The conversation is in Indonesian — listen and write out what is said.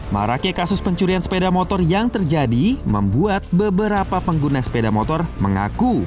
maraknya kasus pencurian sepeda motor yang terjadi membuat beberapa pengguna sepeda motor mengaku